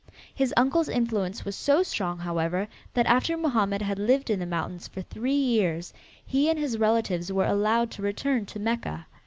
His uncle's influence was so strong, however, that after Mohammed had lived in the mountains for three years, he and his relatives were allowed to return to Mecca.